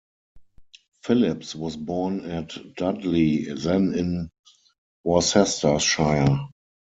Phillips was born at Dudley then in Worcestershire.